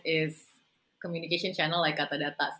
channel komunikasi seperti katadata sih